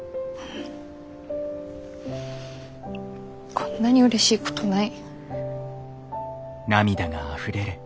こんなにうれしいことない。